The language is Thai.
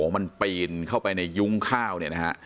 มันปีนเข้าไปในยุ้งข้าวเนี่ยนะฮะ